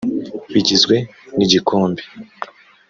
bigizwe n’igikombe